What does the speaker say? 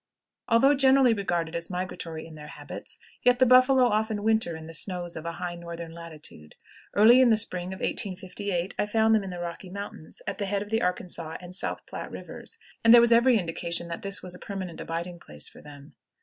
Although generally regarded as migratory in their habits, yet the buffalo often winter in the snows of a high northern latitude. Early in the spring of 1858 I found them in the Rocky Mountains, at the head of the Arkansas and South Platte Rivers, and there was every indication that this was a permanent abiding place for them.